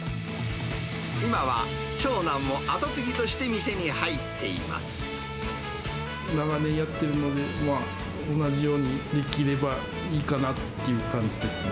今は長男も後継ぎとして店に長年やってるので、同じようにできればいいかなという感じですね。